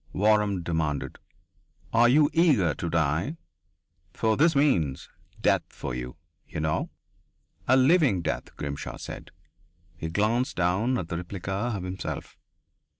Waram demanded. "Are you eager to die? For this means death for you, you know." "A living death," Grimshaw said. He glanced down at the replica of himself.